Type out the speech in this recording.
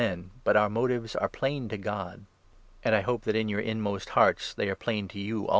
men, t>ut our motives are plain to God ; and I hope that in your inmost hearts they are plain to you also.